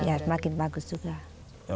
ya semakin bagus juga